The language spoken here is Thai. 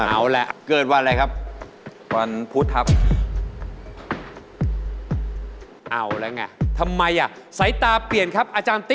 เอาละเกิดวันอะไรครับ